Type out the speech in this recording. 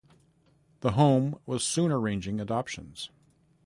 The home was soon arranging adoptions.